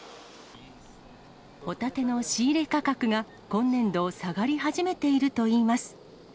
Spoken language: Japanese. ホタテの仕入れ価格が今年度、下がり始めているといいます。